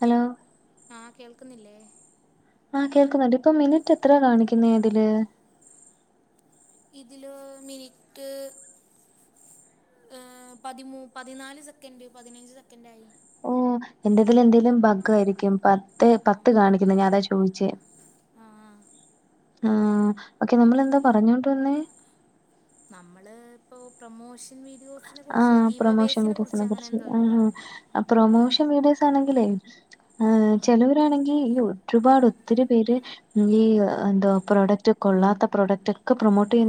Hello ആഹ് കേൾക്കുന്നില്ലേ ആഹ് കേൾക്കുന്നുണ്ട് ഇപ്പൊ മിനിറ്റ് എത്രയ കാണിക്കുന്ന ഇതില് ഇതില് മിനിറ്റ് ഏഹ് പതിമൂ പതിനാല് സെക്കൻഡ് പതിനഞ്ച് സെക്കൻഡ ആയി എന്റെതിൽ എന്തെങ്കലും ഭഗ് ആയിരിക്കും പത്ത് പത്ത് ആഹ് കാണിക്കുന്ന ഞാാനതാ ചോദിച്ച ആഹ് ആഹ് ഓക്കെ നമ്മൾ എന്താ പറഞ്ഞോണ്ട് വന്നെ നമ്മള് ഇപ്പോ പ്രൊമോഷൻ വീ ആഹ് പ്രൊമോഷൻ വീഡിയോസിനെ കുറിച്ച് എന്തോ അല്ലേ ആഹ് പറഞ്ഞേ പ്രൊമോഷൻ വീഡിയോസ് ആണെങ്കിലേ.. ആഹ് ചിലവരാണെങ്കിൽ ഈ ഒരുപാട് ഒത്തിരി പേര് ഈ എന്ത പ്രോഡക്റ്റ് കൊള്ളാത്ത പ്രോഡക്റ്റ്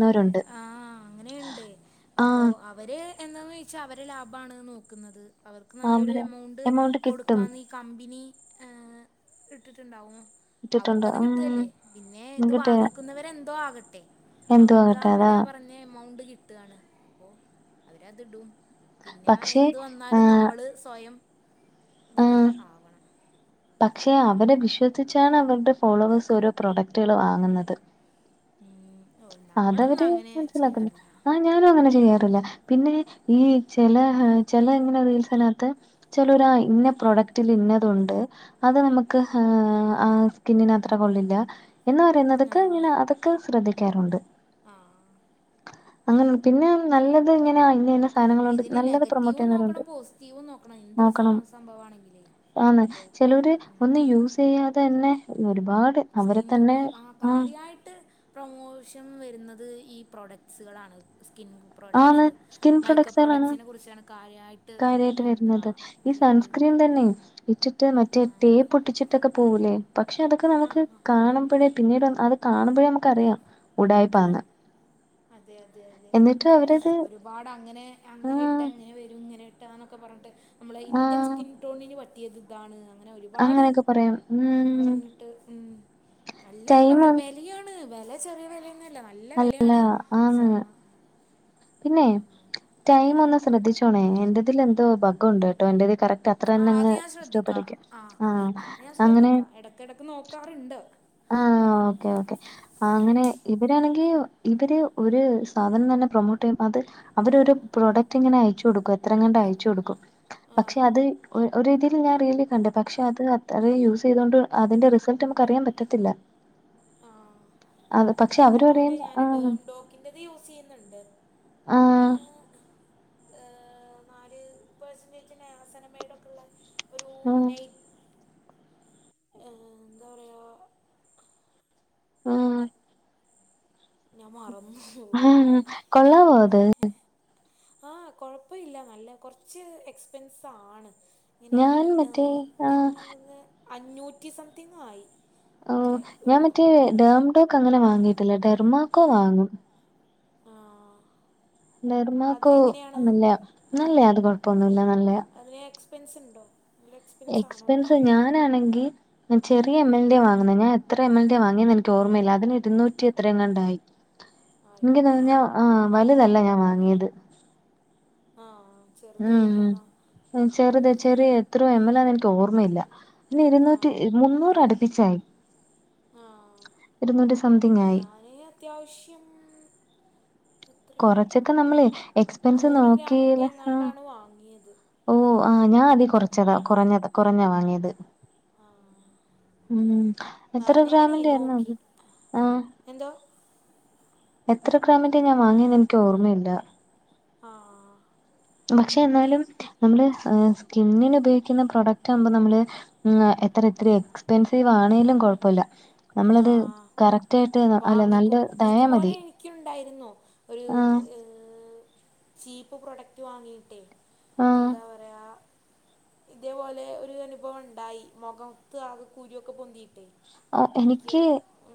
അതെ ആഹ് അങ്ങനെയുണ്ട് അപ്പൊ ആഹ് അവർ എന്താണെന്ന് ചോദിച്ചാൽ അവരെ ലാഭമാണ് നോക്കുന്നത് അവർക്ക് നല്ലൊരു അവര് എമൗണ്ട് കിട്ടും കൊടുക്കാ കമ്പനി ഇട്ടിട്ടുണ്ടാവും കിട്ടിട്ടുണ്ട് അവർക്കത് ഉം കിട്ടുവല്ലേ പിന്നെ ഇത് കിട്ടിയ വാങ്ങിക്കുന്നവരെ എന്തോ ആകട്ടെ അവർക്ക് എന്തുവാകട്ടെ അതാ അവരാ പറഞ്ഞ എമൗണ്ട് കിട്ടുകാണ് അപ്പൊ അവരതിടും പിന്നെ പക്ഷെ എന്ത് വന്നാലും ആഹ് നമ്മൾ സ്വയം ഇതിൽ ആഹ് ആവണം പക്ഷെ അവരെ വിശ്വസിച്ചാണ് അവരുടെ ഫോളോവേഴ്സ് ഓരോ പ്രോഡക്റ്റുകൾ വാങ്ങുന്നത് ഉ ഓ നമ്മളൊന്നും അതവര് അങ്ങനെ മനസ്സിലാക്കുന്നു ചെയ്യാറില്ല ആഹ് ഞാനും അങ്ങനെ ചെയ്യാറില്ല പിന്നെ ഈ ചില ചില ഇങ്ങനെ റീൽസനകത്ത് ചലോരാ ഇന്ന പ്രൊഡക്റ്റില് ഇന്നതു ഉണ്ട് അത് നമുക്ക് ആഹ് സ്കിന്നിന് അത്ര കൊള്ളില്ല എന്ന് ആ എന്നതൊക്കെ ഇങ്ങനെ അതൊക്കെ ശ്രദ്ധിക്കാറുണ്ട് ആഹ് അങ്ങനെയ പിന്നെ നല്ലത് ഇങ്ങനെയ അതിനെന് ഇതിന് നെഗറ്റീവും നോക്കണം പോസിറ്റീവും നോക്കണം എന്തൊരു സ സംഭവ ആണെങ്കിലേ ആന്ന് ചിലർ ഒന്നും യൂസ് ചെയ്യാതെ തന്നെ ഒരുപാട് അവരെ സ്കിൻ തന്നെ ഈ ആഹ് ആ കാര്യായിട്ട് പ്രമോഷൻ വരുന്നത് ഈ പ്രൊഡക്ട്സുകളാണ് സ്കിൻ ആണ് പ്രോഡക്ട്സ് സ്കിൻ മൈക്കപ്പ് പ്രൊഡക്ട്സുകളാണ് പ്രോഡക്ട്സിനെ കുറിച്ചാണ് കാര്യമായിട്ട് കാര്യായിട്ട് എന്താ വരുന്നത് ഈ സൺസ്ക്രീൻ വരുന്നത് തന്നെ ഇട്ടിട്ട് മറ്റേ ആ ടെപ്പൊട്ടിച്ചി ട്ടൊക്കെ പോകൂലേ പക്ഷെ അതൊക്കെ നമുക്ക് ആ കാണുമ്പോഴേ പിന്നീട് അത് കാണുമ്പോഴേ നമുക്കറിയാം അതെ ഉടായിപ്പാന്ന്. അതെ അതെ അതെ എന്നിട്ട് അവരത് ഒരുപാട് അങ്ങനെ ആ അങ്ങനെ ഇട്ടാ അങ്ങനെ വരും ഇങ്ങനെ ട്ടാന്നൊക്കെ പറഞ്ഞിട്ട് നമ്മടെ ആ ഇന്ത്യൻ സ്കിൻ ടോണിന് പറ്റിയത് ഇതാണ് അങ്ങനെ ഒരുപാട് അങ്ങനെയൊക്കെ പറയാം ഉം പറഞ്ഞ് ട്ട് ഉം നല്ലെ ടൈം റെ വെലയാണ് വെല ചെറിയ വിലയൊന്നുല്ല. ന നല്ല അല്ല വെലയാണ് സാ ആന്ന് പിന്നെ ടൈം ഒന്ന് ശ്രദ്ധിച്ചോണേ എന്റെതിൽ എന്തോ ബഗ്ഗുണ്ടേട്ടോ എന്റെതി കറക്റ്റ ആഹ് അത് ഞാൻ ശ്രദ്ധിക്കാ ആഹ് ഞാൻ അങ്ങനെ ശ്രദ്ധിക്കാ ഇടക്കിടക്ക് നോക്കാറുണ്ട്. ആഹ് ഓക്കേ ഓക്കേ ആഹ് അങ്ങനെ ഇവരാണെങ്കി ഇവര് ഒരു സാധനം തന്നെ പ്രൊമോട്ട് ചെയ്യും അത് അവര് ഒരു പ്രോഡക്റ്റ് ഇങ്ങനെ അയച്ചു കൊടുക്കും എത്രങ്ങാണ്ട് അയച്ച കൊടുക്കും. പക്ഷെ ആ അത് ഒ ഒര് രീതീൽ ഞാൻ റീലി കണ്ടേ പക്ഷെ അത് അത്രയും യൂസ് ചെയ്തൊണ്ട് അതിന്റെ റിസൾട്ട് നമുക്ക് അറിയാൻ പറ്റത്തില്ല. ആഹ് അത് പക്ഷെ അവര് പറയും ആഹ് ക്കിന്റത് യൂസ് ചെയ്യുന്നുണ്ട് അതിന് ആഹ് ഏഹ് നാല് പെർസെന്റേജ് തന്നെ നയാസിനമൈടൊക്ക ള്ളെ ഒരു നൈറ്റ് ഏഹ് എന്താ പറയാ ആഹ് ഞാൻ മറന്നു. പോയി ആഹ് കൊള്ളാവോ അത്? ആഹ് കൊഴപ്പ ഇല്ല നല്ല കൊർച്ച് എക്സ്പെൻസ് ആണ്. ഇങ്ങനീ ഞാൻ മറ്റേ ഏഹ് ഞാൻ ആഹ് വാങ്ങീന്നന്ന് അഞ്ഞൂറ്റി സംതിങ് ആയി ഓഹ് അത്രേ ഞാൻ ഒരു മറ്റേ ഡേംഡോക്ക് അങ്ങനെ വാങ്ങിയിട്ടില്ല ഡെർമാക്കോ വാങ്ങും. ആഹ് അത് ഡെർമാക്കോ എങ്ങനെയാണ് നല്ലയാ നല്ലയാ അത് കൊഴപ്പൊന്നുല്ല നല്ലയാ. അതിന് എക്സ്പെൻസ് ണ്ടോ? എക്സ്പെൻസ് ഞാനാണെങ്കി ഞാൻ ചെറിയ എം എൽ ന്റിയാ വാങ്ങുന്നെ ഞാൻ എത്രെ എം എൽ ന്റിയാ വാങ്ങിയേന്ന് എനിക്ക് ഓർമ്മയില്ല. അതിന് ഇരുന്നൂറ്റി എത്രയോ എങ്ങാണ്ടായി. എനിക്ക് തോന്ന്ന്നു ഞാ ആഹ് വലുതല്ല ഞാൻ വാങ്ങിയത്. ആഹ് ഉം ചെറുതായിരിക്കും ന്നാ. ഉം ചെറുത് ചെറിയ എത്രോ എം എൽ ആന്ന് എനിക്ക് ഓർമ്മയില്ല. അന്ന് ഇരുന്നൂറ്റി ആഹ് മുന്നൂറട് പ്പിച്ചായി. ആഹ് സംതിങ് ആയി ഞാന് അത്യാവശ്യം. എത്രെ കൊറച്ചൊക്കെ നമ്മള് എക്സ്പെൻസ് നൂറ് നോക്കി ഗ്രാമിന്റെ എങ്ങാണ്ടാണ് വാങ്ങിയത്. ഓഹ് ആഹ് ഞാൻ അതി കുറച്ചതാ കുറഞ്ഞത കുറഞ്ഞാ വാങ്ങിയത്. ആഹ് ഉം എത്ര ഞാനേ ഗ്രാമിന്റെയായിരുന്നു നോക്കി അത്? ആഹ്. എന്തോ. എത്ര ഗ്രാമിന്റെ ഞാൻ വാങ്ങിയെന്ന് എനിക്ക് ഓർമ്മയില്ല. ആഹ്. പക്ഷെ എന്നാലും നമ്മള് സ്കിന്നിന് ഉപയോഗിക്കുന്ന പ്രൊഡക്റ്റ് ആകുമ്പം നമ്മള്. ഉം എത്ര എത്രിം എക്സ്പെൻസീവ് ആണേലും കൊഴപ്പല്ല. ആഹ് വാങ്ങിക്കും നല്ലതായാ ഇതുപോലെ മതി എനിക്ക്യും ഉണ്ടായിരുന്നു. ഒരു ആഹ് ഏഹ് ചീപ്പ് പ്രൊഡക്റ്റ് വാങ്ങീട്ടെ, ആഹ് എന്താ പറയാ ഇതേപോലെ ഒരു അനുഭവം ഉണ്ടായി മൊഖംത്ത് ആകെ കുരു ഒക്കെ പൊന്തീട്ടെ. എനിക്ക്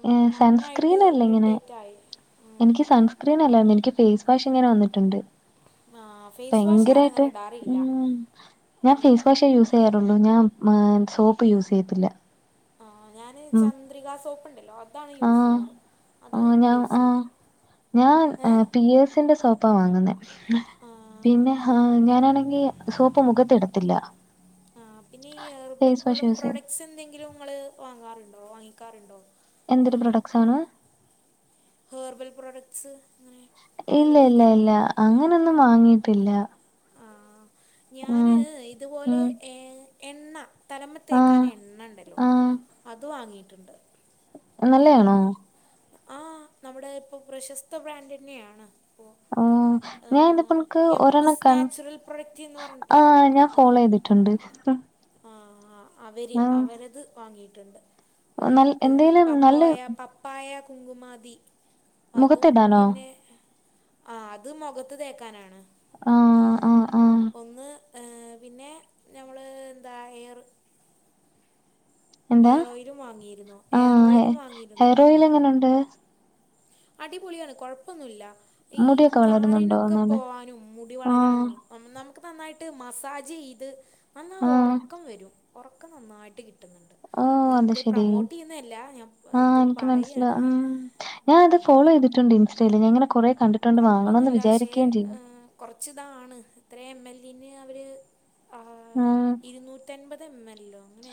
ഏഹ് നന്നായിട്ട് സൺസ്ക്രീനല്ല ഇങ്ങനെ ഇറിറ്റേറ്റായി എനിക്ക് സൺസ്. സ്ക്രീൻ അല്ലാരുന്നു എനിക്ക് ഫേസ് വാഷ് ഇങ്ങന വന്നിട്ടുണ്ട്. ആഹ് ഫേസ് വാഷ് ഭയങ്കരായിട്ട് ഞാനങ്ങനെ ഇടാറില്ല ഉം. ഞാൻ ഫേസ് വാഷെ യൂസീയ്യാറുള്ളൂ ഞാൻ മേ സോപ്പ് യൂസിയ്യത്തില്ല. ആഹ് ഞാന് ചന്ദ്രിക സോപ്പ്ണ്ടല്ലൊ അതാണ് ആഹ് യൂസിയ്യാറ് അത് ആഹ് ഞാൻ യൂസിയ്യും. ആഹ് ഞാൻ ഏഹ് പിയേഴ്‌സിന്റെ സോപ് പ്പ വാങ്ങ്ന്നെ ആഹ് പിന്നെ ഏഹ് ഞാനാണെങ്കി സോപ്പ് മുഖത്തിടത്തില്ല. ആഹ് പിന്നെ ഈ എർബൽ ഫേസ് വാഷ് യൂസ് ചെയ്യും പ്രൊഡക്ട്സ് എന്തെങ്കിലും ഇങ്ങള് വാങ്ങാറുണ്ടോ വാങ്ങിക്കാറുണ്ടോ? എന്തൊരു പ്രൊഡക്ട്സാണ്? ഹേർബൽ പ്രോഡക്ട്സ് അങ്ങനെ ഇല്ല ആയുർവേദ. ഇല്ല ഇല്ല അങ്ങനൊന്നും വാങ്ങീട്ടില്ല. ആഹ് ഞാന് ഇത്പോലെ ഉം ഏഹ് എണ്ണ. തലമ്മെ ആഹ് തേക്കാന് എണ്ണ ഇണ്ടലൊ ആഹ് അത് വാങ്ങീട്ട്ണ്ട്. നല്ലയാണോ ആഹ് നമ്മുടെ ഇപ്പ പ്രശസ്ത ബ്രാൻഡന്നേണ്. ഓഹ് ഞാൻ ഇന്ന് ഇപ്പൻക്ക് എം ഒരെണ്ണം. എസ് കൺ നാച്ചുറൽ പ്രൊഡക്റ്റ് എന്ന് പറഞ്ഞിട്ട് ആഹ് ഞാൻ ഉള്ള ഫോളോതിട്ട്ണ്ട്. ആഹ് അവര് അവരത് വാങ്ങീട്ട്ണ്ട് ഒരു നൽ ഏഹ് എന്തേലും നല്ല പപ്പോയ. പപ്പായ കുങ്കുമാതി അതും മുഖത്തിടാനോ പിന്നെ. ആഹ് അത് മൊഖത്ത് തേക്കാനാണ്. ആഹ്. അത് ആഹ് ആഹ് ഒന്ന് ഏഹ് പിന്നേ ഞമ്മള് എന്താ എയറ്. എന്ത ഓയിലും വാങ്ങിയിരുന്നു എയർ ആഹ് ഓയിലും വാങ്ങിയിരുന്നു ഹെയറോയില് എങ്ങനുണ്ട്. അടിപൊളിയാണ് കൊഴപ്പൊന്നുല്ല ഈ മുടിയൊക്കെ വളരുന്നുണ്ടോ താരനൊക്ക ഒന്നാമെ പോവാനും മുടി ആഹ് വളരാനും. നമുക്ക് നന്നായിട്ട് മസാജീത് നന്ന ആഹ് ഒറക്കം വരും. ഒറക്കം നന്നായിട്ട് കിട്ട്ന്ന്ണ്ട്. ഓഹ് ഞാ അത് ഇത് ശെരി പ്രമോട്ടിയ്യ്ന്നല്ല ഞാൻ ആഹ് ഇത് എനിക്ക് മനസ്സിലാ പറയാണ്. ഉം ഞാൻ അത് ഫോളോ ചെയ്തിട്ടുണ്ട് ഇൻസ്റ്റേയില് ഞാ ഇങ്ങനെ കൊറേ കണ്ടിട്ടുണ്ട് വാങ്ങണന്ന് വിചാരിക്കേം ചെയ്തു. കുറച്ചിതാണ് ഇത്രയും എം എൽ ഇന് അവര് ആഹ് ഇരുന്നൂറ്റൻപത് എം എൽ ഓ അങ്ങനെ.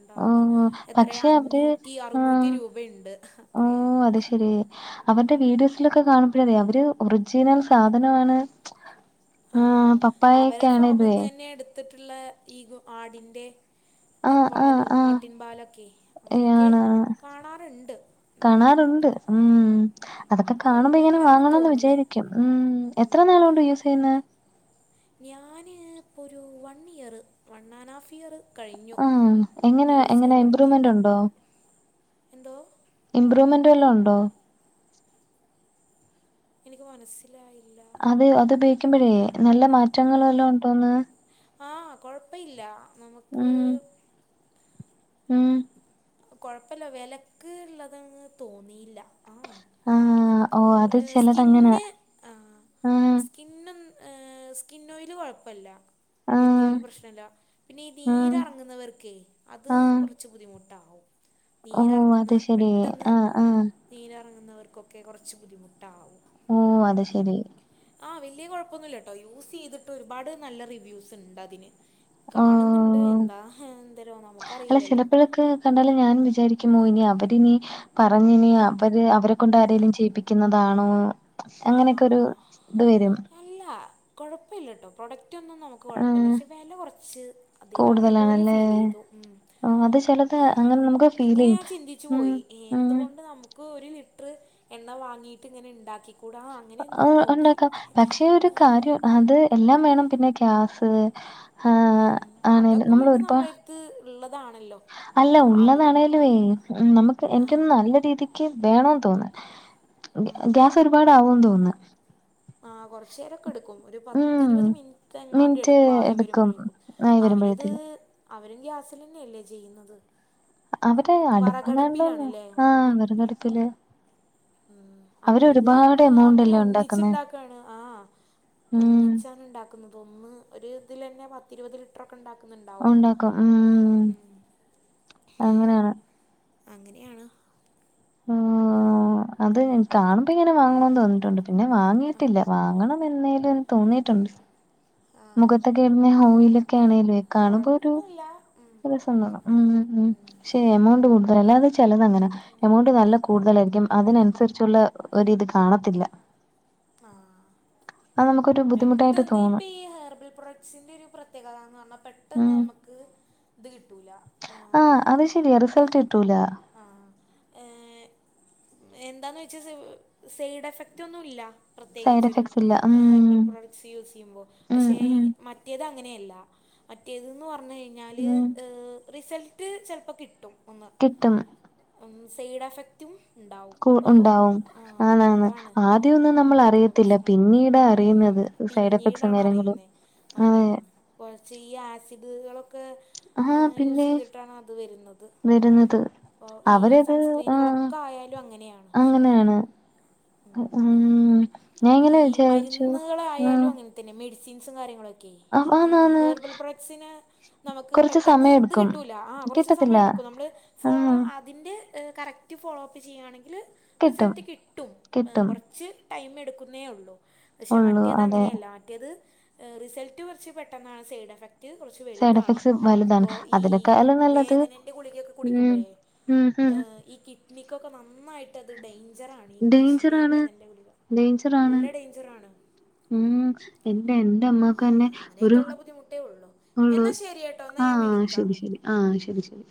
ണ്ടാണ് ഓഹ് എത്രെ പക്ഷെ അവര് അഞ്ഞൂറ്റി അറുന്നൂറ്റി ആഹ് രൂബെണ്ട് അത്രേം. അവരാടെ വീഡിയോസിലൊക്ക കാണുമ്പഴതേ അവര് ഒർജിനൽ സാധനാണ്. ആഹ് അവരെ ആണേലുവേ ഫാമ്ന്നെന്നെ എടുത്തിട്ട്ള്ള ഈഗൊ ആടിന്റെ. ആഹ് ആഹ് പാലും ആഹ് ആട്ടിൻ പാലൊക്കെ ഏ അങ്ങനെയൊക്കെ ആണ് ആണ് കാണാറ്ണ്ട്. കാണാറുണ്ട് ഉം അതൊക്ക കാണുമ്പൊ ഇങ്ങനെ കുഴപ്പമില്ലാന്നാ വാങ്ങണന്ന് തോന്നുന്നേ വിചാരിക്കും ഉം എത്ര നാളോണ്ട് യൂസിയ്യ്ന്നേ ഞാന് ഇപ്പ ഒരൂ one year one and half year കഴിഞ്ഞു ആഹ് എങ്ങനെ എങ്ങനെ ഇമ്പ്രൂവ്മെന്റ് യൂസിയ്യലൊട്ത്തീട്ട് ഉണ്ടോ എന്തോ ഇമ്പ്രൂവ്മെന്റ് വല്ലൊ ഉണ്ടോ എനിക്ക് മനസ്സിലായി അത് അത് ഉപയോഗിക്കുമ്പഴേ നല്ല മാറ്റങ്ങള് വല്ലൊം ഉണ്ടോന്ന് ആഹ് കൊഴപ്പ ഇല്ല നമുക്ക് ഉം ഉം കൊഴപ്പല്ല വെലക്ക് ഇള്ളതാന്ന് തോന്നീല്ല ആഹ് ആഹ് ഓ നമുക്ക് അത് ഏഹ് ചിലതങ്ങനെ സ്കിന്ന് ആഹ് ആഹ് ഇന്നും ഏഹ് സ്കിൻ ഓയില് കൊഴപ്പല്ല ആഹ് വല്യൊരു പ്രശ്നല്ല പിന്നെ ഈ ആഹ് നീരറങ്ങുന്നവർക്കേ അത് ആഹ് കൊർച്ച് ബുദ്ധിമു ട്ടാവും ഓ നീരർങ്ങ്ന്ന അത് ശരി പെട്ടെന്ന് ആഹ് ആഹ് നീരിറങ്ങുന്നവർക്കൊക്കെ കൊറച്ച് ബുദ്ധിമുട്ടാവും ഓ അത് ശെരി ആഹ് വല്യ കൊഴപ്പൊന്നുല്ലട്ടോ യൂസ് ചെയ്തിട്ട് ഒരുപാട് നല്ല റിവ്യൂസ് ഉണ്ട അതിന് കാണ്ന്ന്ണ്ട് ഓ എന്താ എന്താരോ നമുക്കറിയില്ലല്ലോ കണ്ടാൽ ഞാനും വിചാരിക്കുമോ ഇനി അവരിനി പറഞ്ഞിനി അവര് അവരെ കൊണ്ട് ആരെങ്കിലും ചെയ്യിപ്പിക്കുന്നതാണോ അങ്ങനെക്കെ ഒരു ആഹ് ഇത് വെരും അല്ല കൊഴപ്പില്ലാട്ടോ പ്രൊഡക്റ്റൊന്നും നോ ഇൻക്ക് കൊഴപ്പല്ല ആഹ് പക്ഷേ വെല കൊറച്ച് അധികായ പോലെ കൂടുതലാണല്ലേ ഫീലെയ്തു ഉം ആഹ് അത് ചിലത് അങ്ങനെ ആഹ് നമുക്ക് ഫീൽ ഇങ്ങനെ ചെയ്യും ഞാന് ചിന്തിച്ചു ഉം പോയി ഉം എന്തുകൊണ്ട് നമ് ക്കു ഒരു ലിറ്റ്ർ എണ്ണ വാങ്ങീയിട്ട് ഇങ്ങനെ ഇണ്ടാക്കൂടാ ആ ഉണ്ടാക്കാം പക്ഷെ ഒരു കാര്യം അത് എല്ലാം വേണം പിന്നെ ഗ്യാസ് ആഹ ആണ് നമ്മൾ ഒരു പ ത് ഇള്ളതാണല്ലോ അല്ല ഉള്ളതാണേലും വേ നമ്മക്ക് എനിക്കൊന്നും നല്ല രീതിക്ക് വേണോന്ന് തോന്നാ ഗ്യാ ഗ്യാസ് ഒരുപാട് ആവുംന്ന് തോന്ന് ആഹ് കൊറച്ചേരൊക്കെ എടുക്കും ഒരു ഉം പത്തിരുപത് മിനിറ്റ് എങ്ങാണ്ട് മിനിറ്റ് എടുക്കും ആയി എടുക്കും വരുമ്പോഴേക്കും ആയി അവരിത് വരുമ്പോഴത്തേക്കും അവരും ഗ്യാസിലന്നെല്ലേ ചെയ്യുന്നത് അവര് വറകടപ്പിലാണ്ല്ലേ വറകടപ്പില് പിന്നെ മ്മ് അവരത് എമൗണ്ട് അങ്ങനെ അല്ലേ ഉണ്ടാക്കുന്നേ ഒന്നിച്ചുണ്ടാക്കാണ് ആഹ് ഉം ഒന്നിച്ചാണ് ഇണ്ടാ ഒന്ന് ഒരു ഇതിലന്നെ പത്തിരുപത് ലിറ്റർ ഒക്കെ ഇണ്ടാക്ക്ന്നുണ്ടാവും ഉം അങ്ങനെയാണ് അങ്ങനെയാണ് ആ അത് കാണുമ്പോ ഇങ്ങനെ വാങ്ങണന്ന് തോന്നിയിട്ടുണ്ട് പിന്നെ ആ വാങ്ങിയിട്ടില്ല വാങ്ങണം എന്നേലും തോന്നിയിട്ട്ണ്ട് ആ മുഖത്തെക്കെടുന്ന ഹോയിലൊക്കെ ആ ആണെലേ കാണുമ്പോ ഒരു കൊഴപ്പൊന്നുല്ല ഉം നല്ലേസം ഇന്ടാവും ഉം ശേ എമൗണ്ട് കൂട്തലാ എല്ലാ ചെലവ് അങ്ങനെ എമൗണ്ട് നല്ലെ കൂട്തലായിരിക്കും അതിനനുസരിച്ചുള്ള ഒരിത് കാണത്തില്ല ആ അത് നമുക്കൊരു ബുദ്ധിമുട്ടായിട്ട് പെട്ടെന്ന് ഈ തോന്നും ഇപെ ഹെയർബെ പ്രോഡ സിന്റെ ഒരു പ്രത്യേകത പറഞ്ഞാൽ പെട്ടെന്ന് നമ്മക്ക് ഇത് കിട്ടൂലാ ആ അത് ശെരിയാ റിസൾട്ട് കിട്ടൂലാ അഹ് ഏയ് എന്താന്ന് വെച്ചാ സ് സൈഡ് എഫക്ട് ഒന്നുല്ലാ സൈഡ് പ്രത്യേകിച്ചൊരു എഫക്ട്സ് ഇല്ല ഉം ഹെർബൽ പ്രൊഡക്ട്റ്റ്സ് യൂസ് ചെയ്യുമ്പോൾ ഉം പക്ഷേ ഉം മറ്റ് മറ്റേത് അങ്ങനെയല്ല മറ്റേത് പറഞ്ഞു കഴിഞ്ഞാല് ഉം ഏഹ് റിസൾട്ട് ചെല്പ്പോ കിട്ടും ഒന്ന് കിട്ടും ഒന്ന് സൈഡ് എഫെക്റ്റും ഇണ്ടാവും കു പോ ഉണ്ടാവും ആ ആണാണ് അതാണ് ആദ്യമൊന്നും നമ്മൾ ഞങ്ങൾ കൂള്ള അറിയത്തില്ല പ്രശ്നം പിന്നീടാ അറിയുന്നത് സൈഡ് എഫക്ട്സും പിന്നീടാണ് കാര്യങ്ങളും അറിയുന്നത് ആഹ അതെ കൊറച്ച് ഈ ആസിഡുകളൊക്കെ എഹ് യൂസ് ചെയ്തിട്ടാണ് അത് വെരുന്നത് വെരുന്നത് അപ്പോ ഈ സൺസ്ക്രീന്കള് ഒക്കെ ആയാലും അങ്ങനെയാണ് പക്ഷേ അഹ് അം ഈ മരുന്ന്കളയാലും അങ്ങനെ ആഹ് തന്നെ മെഡിസിൻസും കാര്യങ്ങളൊക്കെ ഏഹ് ആന്നാന്ന് ഹെർബൽ പ്രോഡക്ട്സിന് നമുക്ക് കൊറച്ച് പെട്ടെന്ന് സമയം ഇത് എടുക്കും കിട്ടൂല ആഹ് കൊറച്ച് കിട്ടത്തില്ല സമയം എടുക്കും നമ്മള് ഫോളോ ആഹ് അ തിൻ്റെ കറക്റ്റ് ഫോളോ അപ്പ് ചെയ്യാണെങ്കില് കിട്ടും റിസൽറ്റ് കിട്ടും എഹ് കിട്ടും കൊറച്ച് ടൈം എടുക്കുംന്നേ ഒള്ളൂ പക്ഷെ ഉള്ളൂ മറ്റേത് അതെ അങ്ങനെയല്ല മറ്റേത് എഹ് റിസൾട്ട് കൊർച്ച് പെട്ടെന്നാണ് സൈഡ് എഫക് റ്റ് കൊറച്ച് സൈഡ് വെലുതാണ് എഫക്ട്സ് വലുതാണ് പ്പൊ ഈ അം അതിനേക്കാളും നല്ലത് വേദനന്റെ ഗുളികയൊക്കെ ഉം കുടിക്കുമ്പഴേ ഉം ഉം ഈ കിഡ്നിക്കൊക്കെ നന്നായിട്ട് അത് ഡെയ്ഞ്ചറാണ് ഈ ഇംഗ്ലീഷിന്റെ വേദനന്റെ ഗുളിക ഡെയ്ഞ്ച്‌ നല്ല ഡെയ്ഞ്ചറാണ് ഉം പിന്നെ എന്റെ അമ്മാക്ക് തന്നെ ഒരു അങ്ങനെയൊക്കെയുള്ള ബുദ്ധിമുട്ടേ ഉള്ളൂ ഒള്ളഹ് എന്നാൽ ശരി കേട്ടോ എന്നാൽ ഞാൻ ആഹ് വിളിക്കാം ശെരി ശെരി ആഹ് ശെരി ശെരി